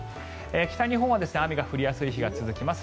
北日本は雨が降りやすい日が続きます。